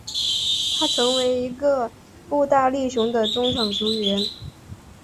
他成为一个步大力雄的中场球员。